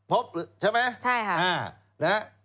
พบใช่ไหมค่ะใช่ครับ